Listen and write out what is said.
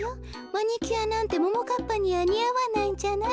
マニキュアなんてももかっぱにはにあわないんじゃない？